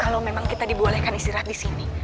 kalau memang kita dibolehkan istirahat disini